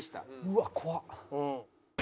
うわっ怖っ！